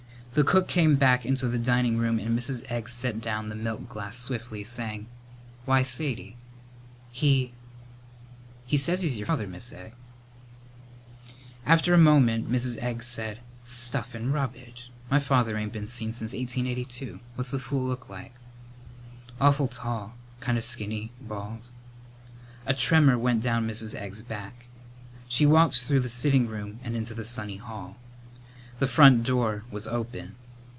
The cook came back into the dining room and Mrs. Egg set down the milk glass swiftly, saying, "Why, Sadie!" "He he says he's your father, Mis' Egg." After a moment Mrs. Egg said, "Stuff and rubbidge! My father ain't been seen since 1882. What's the fool look like?" "Awful tall kinda skinny bald " A tremor went down Mrs. Egg's back. She walked through the sitting room and into the sunny hall. The front door was open.